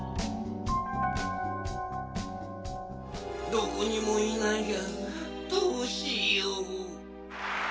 どこにもいないがどうしよう。